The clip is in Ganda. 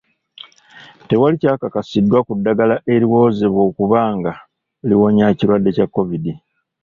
Tewali kyakakasiddwa ku ddagala eriwoozebwa okuba nga liwonya ekirwadde kya Kovidi.